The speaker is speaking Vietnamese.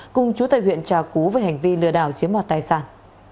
cùng chú tây huyện trà cú với hành vi lừa đảo chiếm bỏ tài sản